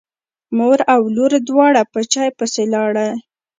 مور او لور دواړه په چای پسې لاړې.